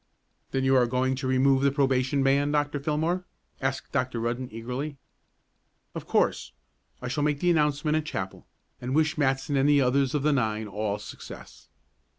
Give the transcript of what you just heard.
"Then you're going to remove the probation ban, Dr. Fillmore?" asked Dr. Rudden eagerly. "Of course. I shall make the announcement at chapel, and wish Matson and the others of the nine all success."